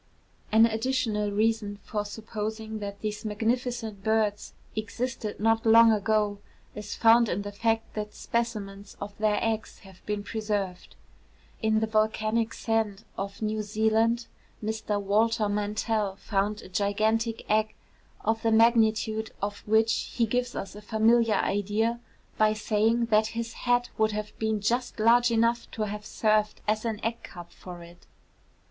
An additional reason for supposing that these magnificent birds existed not long ago is found in the fact that specimens of their eggs have been preserved. In the volcanic sand of New Zealand, Mr Walter Mantell found a gigantic egg, of the magnitude of which he gives us a familiar idea by saying that his hat would have been just large enough to have served as an egg cup for it.